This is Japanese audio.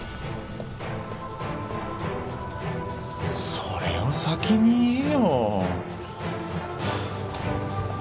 それを先に言えよ。